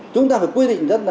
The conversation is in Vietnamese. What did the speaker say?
chúng ta phải quy định